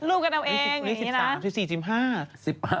รูปกับเราเองอย่างนี้นะ